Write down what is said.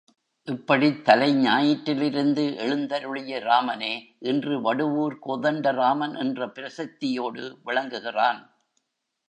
இப்படித் தலைஞாயிற்றிலிருந்து எழுந்தருளிய ராமனே இன்று வடுவூர் கோதண்டராமன் என்ற பிரசித்தியோடு விளங்குகிறான்.